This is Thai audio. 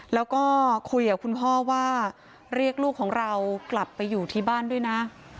แล้วก็คุยกับคุณพ่อว่าเรียกลูกของเรากลับไปอยู่ที่บ้านด้วยนะ